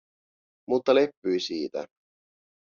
Mutta leppyi siitä.